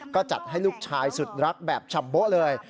ก็จัดให้ลูกชายสุดรักแบบฉ่ำโบ๊ะเลย